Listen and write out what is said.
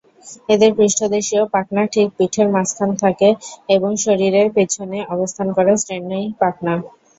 এদের পৃষ্ঠদেশীয় পাখনা ঠিক পিঠের মাঝখানে থাকে এবং শরীরের পেছনে অবস্থান করে শ্রোণী পাখনা।